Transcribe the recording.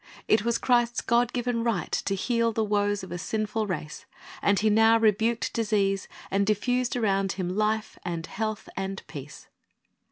It was Christ's God given right to heal the woes of a sinful race, and He now rebuked disease, and diffused around Him life and health and peace.